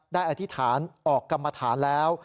อธิษฐานออกกรรมฐานแล้ว